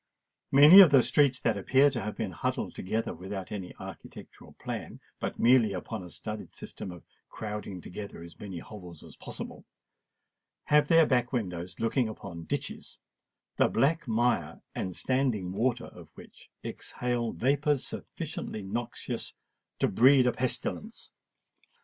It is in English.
Many of the streets, that appear to have been huddled together without any architectural plan, but merely upon a studied system of crowding together as many hovels as possible, have their back windows looking upon ditches, the black mire and standing water of which exhale vapours sufficiently noxious to breed a pestilence.